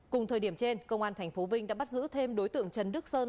cùng thời điểm trên công an tp vinh đã bắt giữ thêm đối tượng trần đức sơn